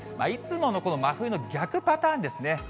いつものこの真冬の逆パターンですね。